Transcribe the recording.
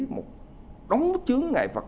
một đống chướng ngại vật